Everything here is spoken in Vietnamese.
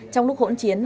trong lúc hỗn chiến